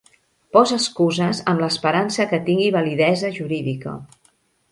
Posa excuses amb l'esperança que tingui validesa jurídica.